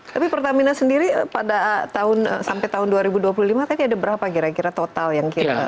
tapi pertamina sendiri pada tahun sampai tahun dua ribu dua puluh lima tadi ada berapa kira kira total yang kira kira